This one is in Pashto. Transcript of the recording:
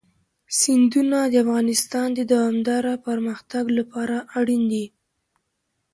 سیندونه د افغانستان د دوامداره پرمختګ لپاره اړین دي.